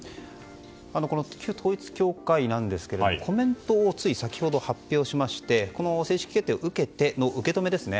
旧統一教会なんですがコメントをつい先ほど、発表しまして正式決定を受けての受け止めです。